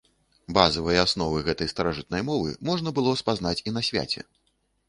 Базавыя асновы гэтай старажытнай мовы можна было спазнаць і на свяце.